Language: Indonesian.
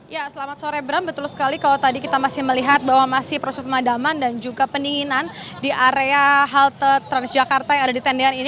ya selamat sore bram betul sekali kalau tadi kita masih melihat bahwa masih proses pemadaman dan juga pendinginan di area halte transjakarta yang ada di tendian ini